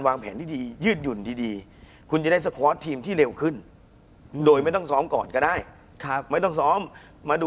คุณผู้ชมบางท่าอาจจะไม่เข้าใจที่พิเตียร์สาร